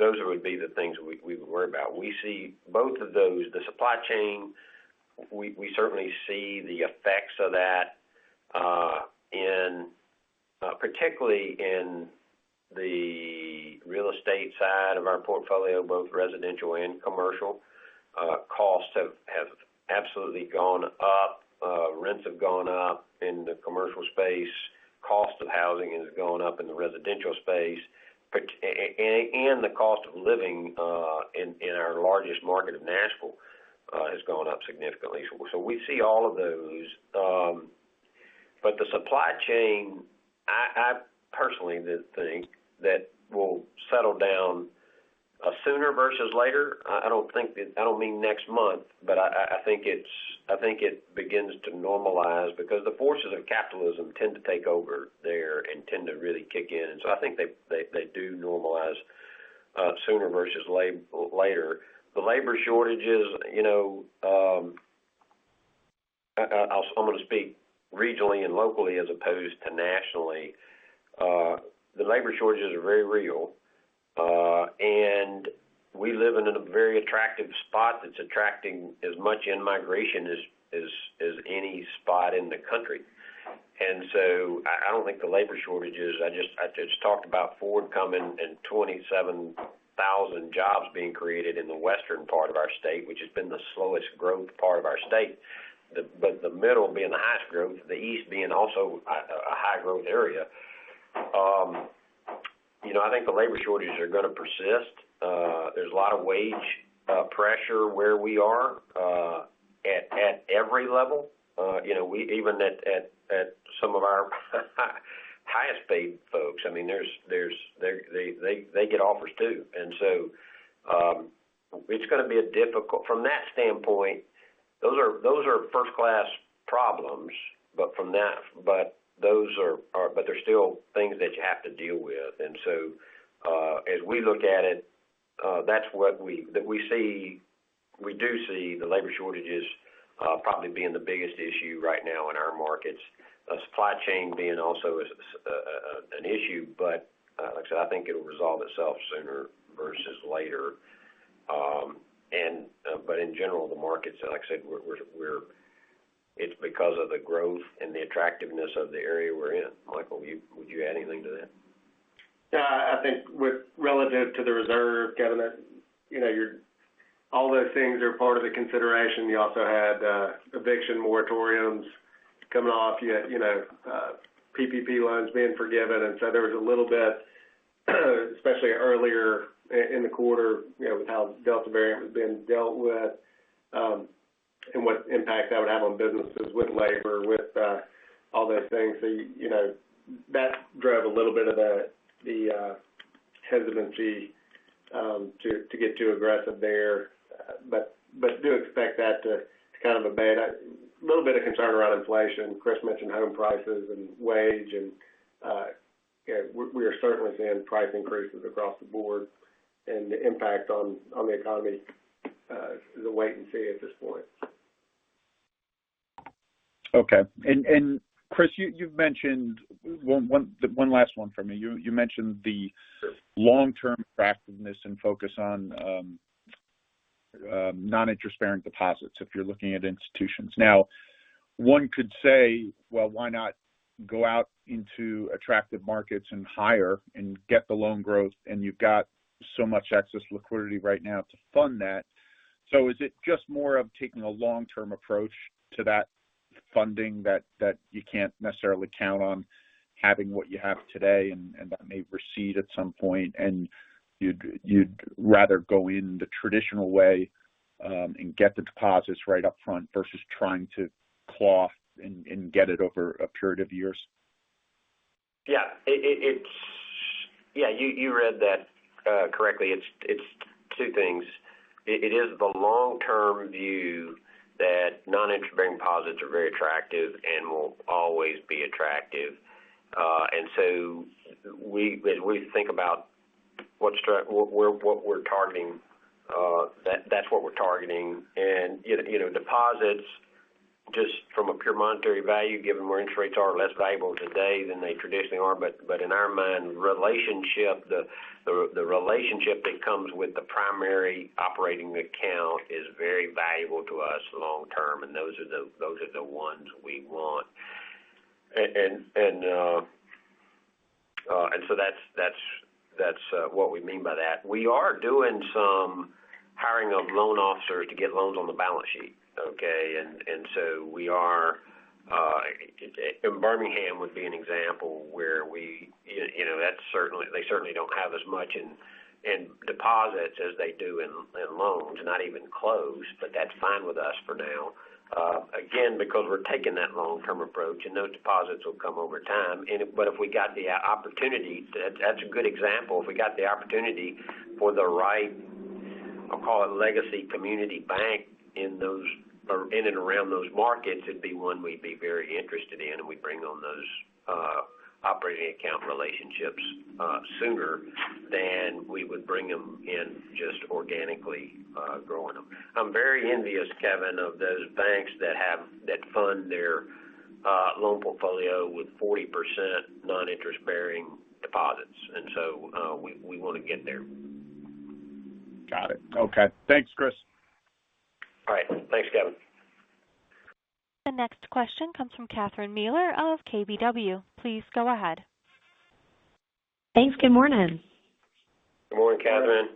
S3: those would be the things we would worry about. We see both of those. The supply chain, we certainly see the effects of that particularly in the real estate side of our portfolio, both residential and commercial. Costs have absolutely gone up. Rents have gone up in the commercial space. Cost of housing has gone up in the residential space. The cost of living in our largest market of Nashville has gone up significantly. We see all of those. The supply chain, I personally think that will settle down sooner versus later. I don't mean next month, but I think it begins to normalize because the forces of capitalism tend to take over there and tend to really kick in. I think they do normalize sooner versus later. The labor shortages, I'm going to speak regionally and locally as opposed to nationally. The labor shortages are very real. We live in a very attractive spot that's attracting as much in-migration as any spot in the country. I don't think the labor shortages, I just talked about Ford coming and 27,000 jobs being created in the western part of our state, which has been the slowest growth part of our state. The middle being the highest growth, the east being also a high growth area. I think the labor shortages are going to persist. There's a lot of wage pressure where we are at every level. Even at some of our highest paid folks, they get offers, too. From that standpoint, those are first-class problems, but there's still things that you have to deal with. As we look at it, we do see the labor shortages probably being the biggest issue right now in our markets. Supply chain being also an issue, but like I said, I think it'll resolve itself sooner versus later. In general, the markets, like I said, it's because of the growth and the attractiveness of the area we're in. Michael, would you add anything to that?
S4: Yeah. I think relative to the reserve, Kevin, all those things are part of the consideration. You also had eviction moratoriums coming off. You had PPP loans being forgiven, there was a little bit, especially earlier in the quarter, with how Delta variant was being dealt with, and what impact that would have on businesses with labor, with all those things. That drove a little bit of the hesitancy to get too aggressive there. I do expect that to abate. A little bit of concern around inflation. Chris mentioned home prices and wage, we are certainly seeing price increases across the board, the impact on the economy is a wait and see at this point.
S9: Okay. Chris, one last one from me. You mentioned the long-term attractiveness and focus on non-interest-bearing deposits if you're looking at institutions. One could say, well, why not go out into attractive markets and hire and get the loan growth, and you've got so much excess liquidity right now to fund that. Is it just more of taking a long-term approach to that funding that you can't necessarily count on having what you have today, and that may recede at some point, and you'd rather go in the traditional way, and get the deposits right up front versus trying to claw and get it over a period of years?
S3: Yeah. You read that correctly. It's two things. It is the long-term view that non-interest-bearing deposits are very attractive and will always be attractive. When we think about what we're targeting, that's what we're targeting. Deposits, just from a pure monetary value, given where interest rates are less valuable today than they traditionally are. In our mind, the relationship that comes with the primary operating account is very valuable to us long term, and those are the ones we want. That's what we mean by that. We are doing some hiring of loan officers to get loans on the balance sheet, okay? Birmingham would be an example where they certainly don't have as much in deposits as they do in loans, not even close, but that's fine with us for now. Because we're taking that long-term approach, those deposits will come over time. If we got the opportunity, that's a good example. If we got the opportunity for the right, I'll call it Legacy Community Bank in and around those markets, it'd be one we'd be very interested in, we'd bring on those operating account relationships sooner than we would bring them in just organically growing them. I'm very envious, Kevin, of those banks that fund their loan portfolio with 40% non-interest-bearing deposits. We want to get there.
S9: Got it. Okay. Thanks, Chris.
S3: All right. Thanks, Kevin.
S1: The next question comes from Catherine Mealor of KBW. Please go ahead.
S10: Thanks. Good morning.
S3: Good morning, Catherine.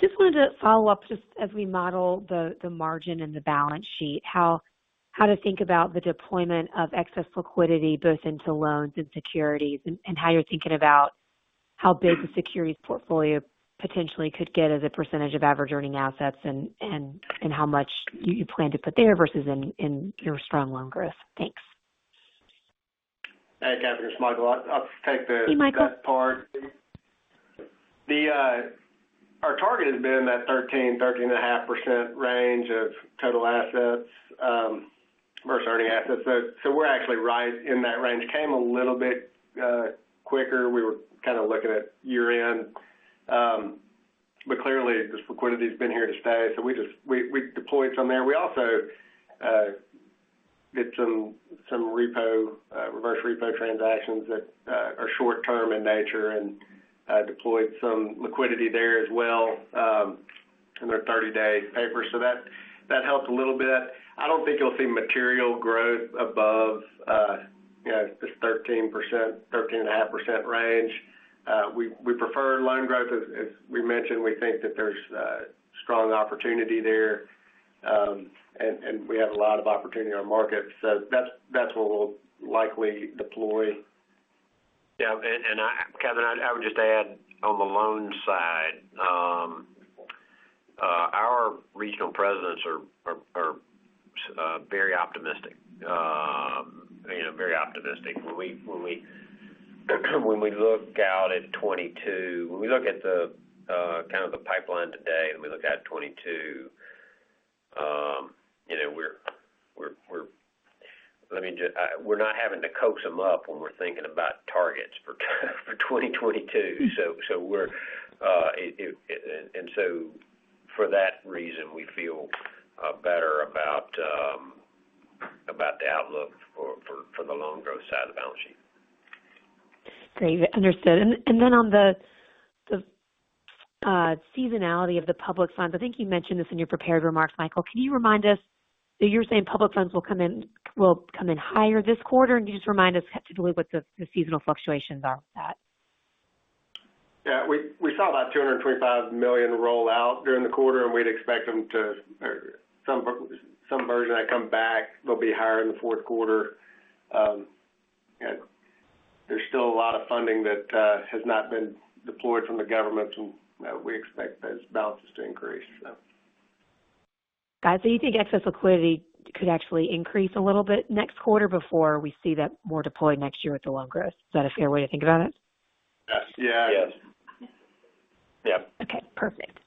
S10: Just wanted to follow up as we model the margin and the balance sheet, how to think about the deployment of excess liquidity both into loans and securities, and how you're thinking about how big the securities portfolio potentially could get as a percentage of average earning assets, and how much you plan to put there versus in your strong loan growth? Thanks.
S4: Hey, Catherine, it's Michael.
S10: Hey, Michael.
S4: The best part. Our target has been that 13%-13.5% range of total assets versus earning assets. We're actually right in that range. Came a little bit quicker. We were kind of looking at year-end. Clearly, this liquidity's been here to stay. We deployed some there. We also did some reverse repo transactions that are short-term in nature and deployed some liquidity there as well in their 30-day paper. That helped a little bit. I don't think you'll see material growth above this 13%-13.5% range. We prefer loan growth. As we mentioned, we think that there's strong opportunity there. We have a lot of opportunity in our markets. That's what we'll likely deploy.
S3: Yeah. Catherine, I would just add, on the loans side, our Regional Presidents are very optimistic. When we look out at 2022, when we look at the kind of the pipeline today, we look out at 2022, we're not having to coax them up when we're thinking about targets for 2022. For that reason, we feel better about the outlook for the loan growth side of the balance sheet.
S10: Great. Understood. On the seasonality of the public funds, I think you mentioned this in your prepared remarks, Michael. Can you remind us, you're saying public funds will come in higher this quarter? Can you just remind us typically what the seasonal fluctuations are with that?
S4: Yeah. We saw about $225 million roll out during the quarter. We'd expect some version of that come back, maybe higher in the fourth quarter. There's still a lot of funding that has not been deployed from the government. We expect those balances to increase.
S10: Got it. You think excess liquidity could actually increase a little bit next quarter before we see that more deployed next year with the loan growth. Is that a fair way to think about it?
S3: Yes.
S4: Yeah.
S3: Yes.
S4: Yeah.
S10: Okay, perfect.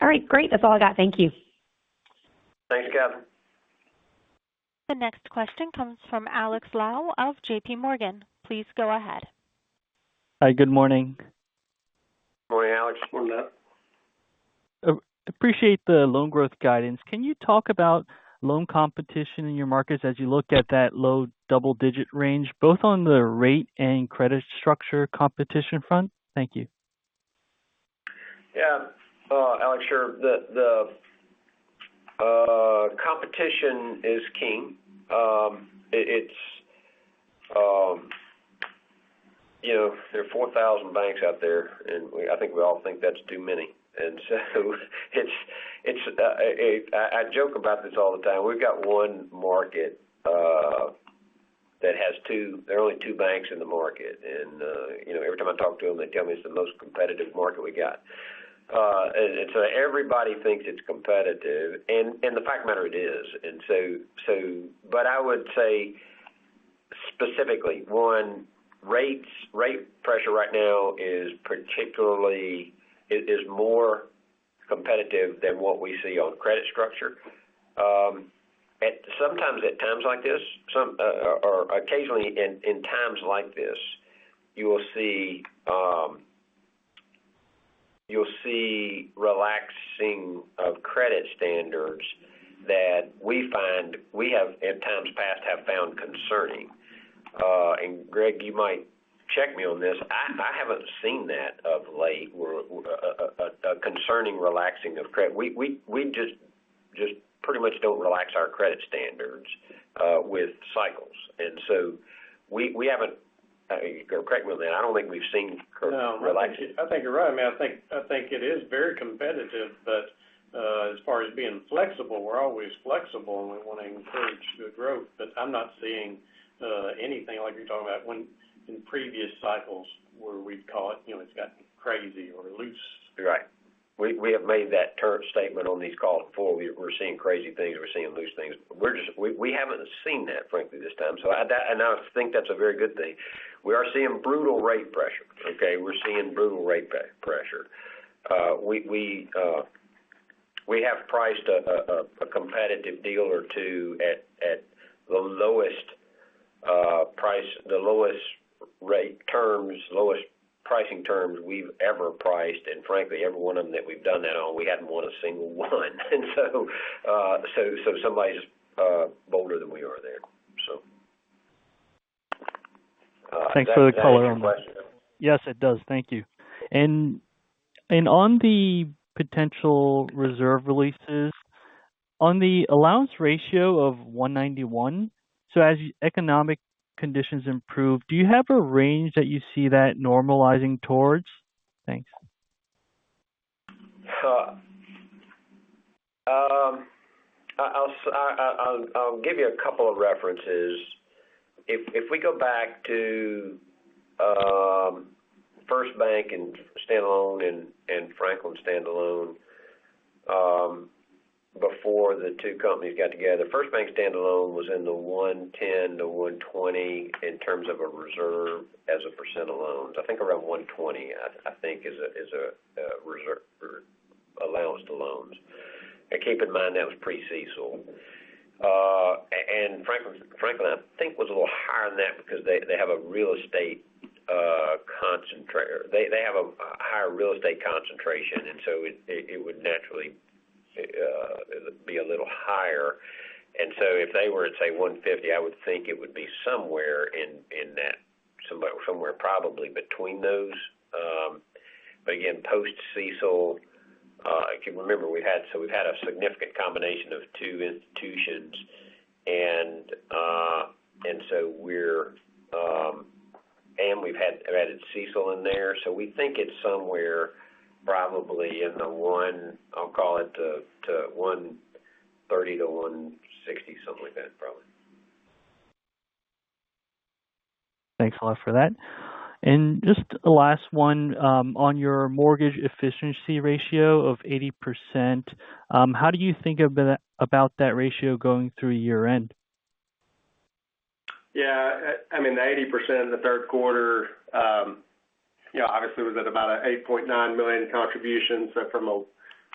S10: All right, great. That's all I got. Thank you.
S3: Thanks, Catherine.
S1: The next question comes from Alex Lau of JPMorgan. Please go ahead.
S11: Hi, good morning.
S3: Morning, Alex.
S4: Morning, Alex.
S11: Appreciate the loan growth guidance. Can you talk about loan competition in your markets as you look at that low double-digit range, both on the rate and credit structure competition front? Thank you.
S3: Yeah, Alex. Sure. The competition is king. There are 4,000 banks out there. I think we all think that's too many. I joke about this all the time. We've got one market, there are only two banks in the market. Every time I talk to them, they tell me it's the most competitive market we got. Everybody thinks it's competitive. The fact of the matter, it is. I would say specifically, one, rates. Rate pressure right now is more competitive than what we see on credit structure. Occasionally, in times like this, you'll see relaxing of credit standards that we have, in times past, have found concerning. Greg, you might check me on this. I haven't seen that of late, a concerning relaxing of credit. We just pretty much don't relax our credit standards with cycles. I don't think we've seen credit relaxing.
S12: No, I think you're right. I think it is very competitive, but as far as being flexible, we're always flexible, and we want to encourage good growth. I'm not seeing anything like you're talking about when in previous cycles where we call it's gotten crazy or loose.
S3: Right. We have made that terse statement on these calls before. We're seeing crazy things or we're seeing loose things. We haven't seen that, frankly, this time. I think that's a very good thing. We are seeing brutal rate pressure. Okay? We're seeing brutal rate pressure. We have priced a competitive deal or two at the lowest price, the lowest rate terms, lowest pricing terms we've ever priced. Frankly, every one of them that we've done that on, we haven't won a single one. Somebody's bolder than we are there.
S11: Thanks for the color on that.
S3: Does that answer your question?
S11: Yes, it does. Thank you. On the potential reserve releases, on the allowance ratio of 191, as economic conditions improve, do you have a range that you see that normalizing towards? Thanks.
S3: I'll give you a couple of references. If we go back to FirstBank Standalone and Franklin Standalone, before the two companies got together, FirstBank Standalone was in the 110%-120% in terms of a reserve as a percent of loans. I think around 120%, I think is a reserve or allowance to loans. Keep in mind, that was pre-CECL. Franklin, I think, was a little higher than that because they have a higher real estate concentration, and so it would naturally be a little higher. If they were to say 150%, I would think it would be somewhere in that. Somewhere probably between those. Again, post-CECL, if you remember, so we've had a significant combination of two institutions. We've added CECL in there, so we think it's somewhere probably in the 1-, I'll call it to 130%-160%, something like that, probably.
S11: Thanks a lot for that. Just the last one, on your mortgage efficiency ratio of 80%, how do you think about that ratio going through year-end?
S4: Yeah. The 80% in Q3, obviously was at about a $8.9 million contribution. From a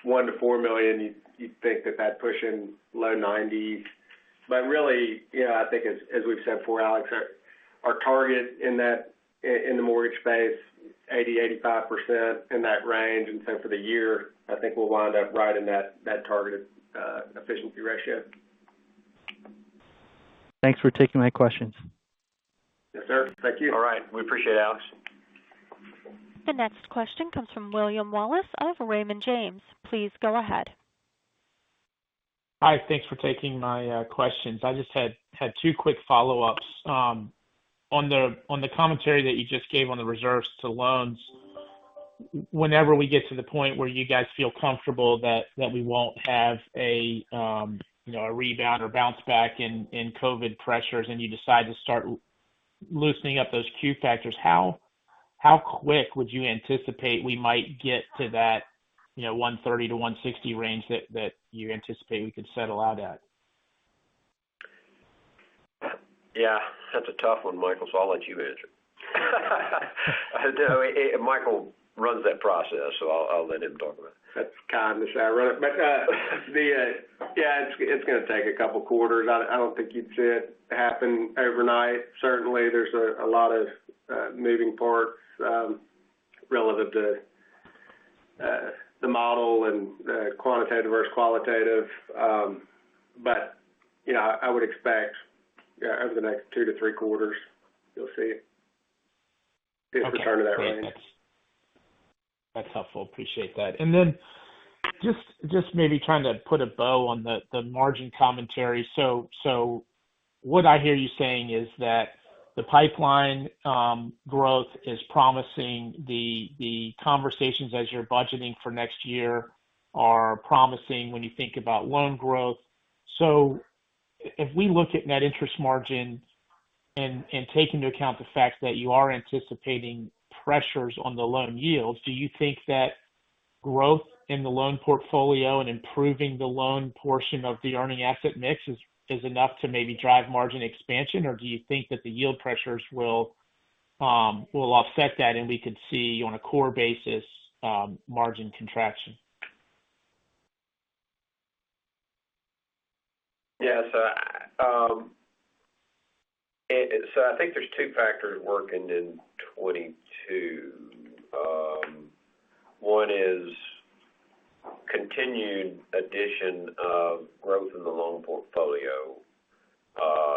S4: $1 million-$4 million, you'd think that that'd push in low 90s. Really, I think as we've said before, Alex, our target in the mortgage space, 80%-85% in that range. For the year, I think we'll wind up right in that targeted efficiency ratio.
S11: Thanks for taking my questions.
S4: Yes, sir. Thank you.
S3: All right. We appreciate it, Alex.
S1: The next question comes from William Wallace of Raymond James. Please go ahead.
S13: Hi. Thanks for taking my questions. I just had two quick follow-ups. On the commentary that you just gave on the reserves to loans, whenever we get to the point where you guys feel comfortable that we won't have a rebound or bounce back in COVID pressures and you decide to start loosening up those Q factors, how quick would you anticipate we might get to that 130%-160% range that you anticipate we could settle out at?
S3: Yeah. That's a tough one, Michael, so I'll let you answer. Michael runs that process, so I'll let him talk about it.
S4: That's kind to say. I run it. Yeah, it's going to take a couple of quarters. I don't think you'd see it happen overnight. Certainly, there's a lot of moving parts relative to the model and the quantitative versus qualitative. I would expect over the next two to three quarters you'll see it return to that range.
S13: Okay. Great. Thanks. That's helpful. Appreciate that. Just maybe trying to put a bow on the margin commentary. What I hear you saying is that the pipeline growth is promising. The conversations as you're budgeting for next year are promising when you think about loan growth. If we look at net interest margin and take into account the fact that you are anticipating pressures on the loan yields, do you think that growth in the loan portfolio and improving the loan portion of the earning asset mix is enough to maybe drive margin expansion? Or do you think that the yield pressures will offset that, and we could see on a core basis, margin contraction?
S3: I think there's two factors working in 2022. One is continued addition of growth in the loan portfolio,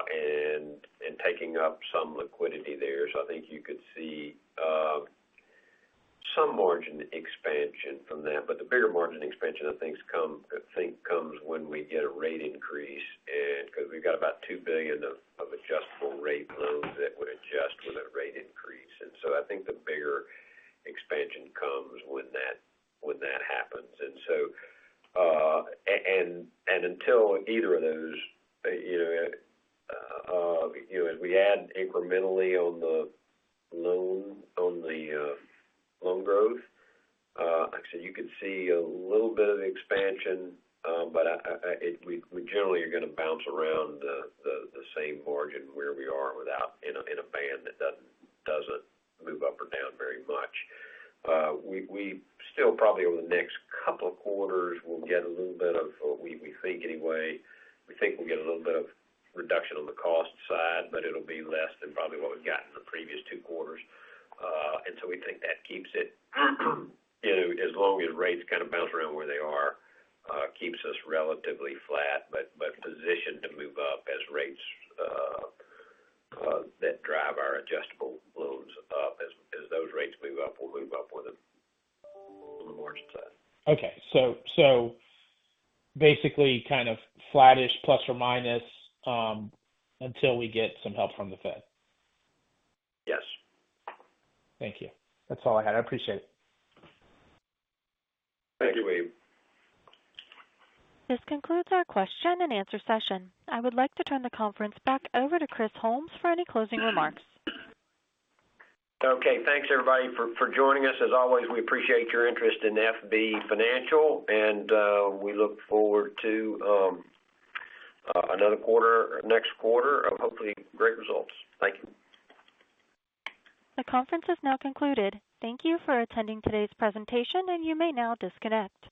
S3: and taking up some liquidity there. I think you could see some margin expansion from that. The bigger margin expansion I think comes when we get a rate increase, because we've got about $2 billion of adjustable rate loans that would adjust with a rate increase. I think the bigger expansion comes when that happens. Until either of those, as we add incrementally on the loan growth, like I said, you could see a little bit of expansion. We generally are going to bounce around the same margin where we are in a band that doesn't move up or down very much. We still probably, over the next couple of quarters, we think we'll get a little bit of reduction on the cost side, but it'll be less than probably what we've got in the previous two quarters. We think that keeps it, as long as rates kind of bounce around where they are, keeps us relatively flat, but positioned to move up as rates that drive our adjustable loans up. As those rates move up, we'll move up with them on the margin side.
S13: Okay. basically kind of flattish plus or minus, until we get some help from the Fed.
S3: Yes.
S13: Thank you. That's all I had. I appreciate it.
S3: Thank you, William.
S1: This concludes our question and answer session. I would like to turn the conference back over to Chris Holmes for any closing remarks.
S3: Okay. Thanks everybody for joining us. As always, we appreciate your interest in FB Financial, and we look forward to another quarter, next quarter of hopefully great results. Thank you.
S1: The conference is now concluded. Thank you for attending today's presentation, and you may now disconnect.